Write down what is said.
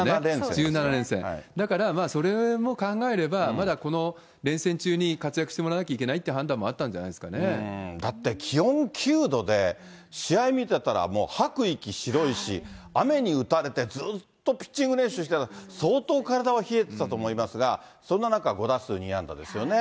１７連戦、だからそれも考えれば、まだこの連戦中に活躍してもらわなきゃいけないっていう判断もあだって気温９度で、試合見てたら、もう吐く息白いし、雨に打たれてずっとピッチング練習してたら、相当体は冷えてたと思いますが、そんな中、５打数２安打ですよね。